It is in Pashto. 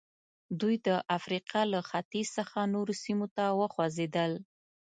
دوی د افریقا له ختیځ څخه نورو سیمو ته وخوځېدل.